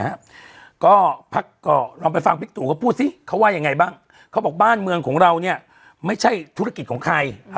นะฮะก็พักก็ลองไปฟังบิ๊กตูเขาพูดสิเขาว่ายังไงบ้างเขาบอกบ้านเมืองของเราเนี่ยไม่ใช่ธุรกิจของใคร